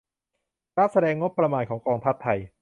กราฟแสดงงบประมาณของกองทัพไทย